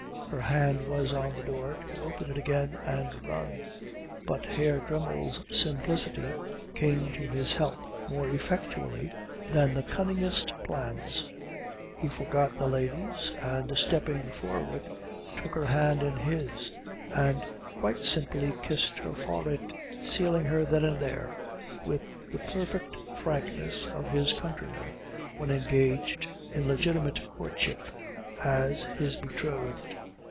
Her hand was on the door to open it again and run; but Herr Dremmel's simplicity came to his help more effectually than the cunningest plans. He forgot the ladies, and stepping forward took her hand in his and quite simply kissed her forehead, sealing her then and there, with the perfect frankness of his countrymen when engaged in legitimate courtship, as his betrothed.